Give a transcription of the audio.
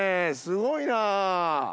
すごいなぁ！